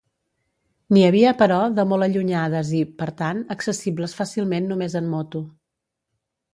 N'hi havia, però, de molt allunyades i, per tant, accessibles fàcilment només en moto.